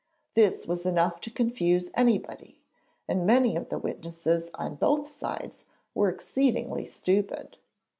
This was enough to confuse anybody, and many of the witnesses on both sides were exceedingly stupid.